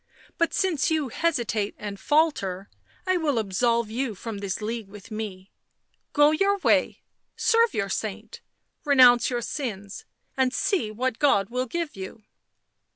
u But, since you hesitate, and falter, I will absolve you from this league with me; — go your way, serve your saint, renounce your sins — and see what God will give you."